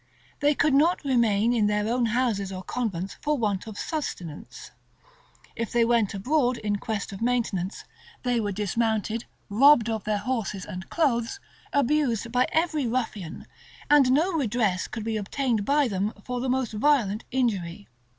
They could not remain in their own houses or convents for want of subsistence; if they went abroad in quest of maintenance, they were dismounted, robbed of their horses and clothes, abused by every ruffian, and no redress could be obtained by them for the most violent injury.